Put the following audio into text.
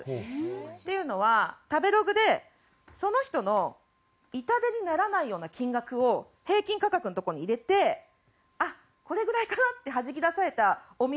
っていうのは食べログでその人の痛手にならないような金額を平均価格のとこに入れてあっこれぐらいかなってはじきだされたお店３つぐらい。